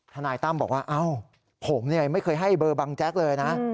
นายตั้มบอกว่าผมไม่เคยให้เบอร์บังแจ๊กเลยนะ